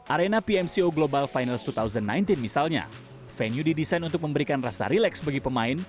arena pmco global finals dua ribu sembilan belas misalnya venue didesain untuk memberikan rasa rileks bagi pemain